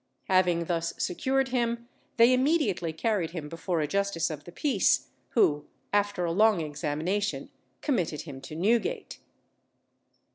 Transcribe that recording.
Having thus secured him, they immediately carried him before a Justice of the Peace, who after a long examination committed him to Newgate.